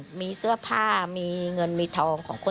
ได้นำเรื่องราวมาแชร์ในโลกโซเชียลจึงเกิดเป็นประเด็นอีกครั้ง